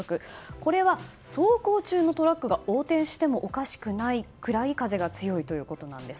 これは走行中のトラックが横転してもおかしくないくらい風が強いということなんです。